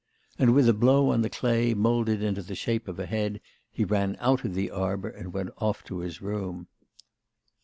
And with a blow on the clay moulded into the shape of a head, he ran out of the arbour and went off to his room.